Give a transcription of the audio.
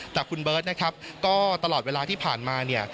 แต่คุณเบิร์ตนะครับก็ตลอดเวลาที่ผ่านมาเนี่ย